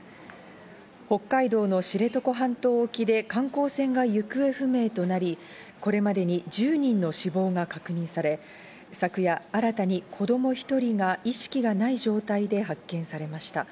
北海道の知床半島沖で観光船が行方不明となり、これまでに１０人の死亡が確認され、昨夜新たに子供１人が意識がない状態で発見されました。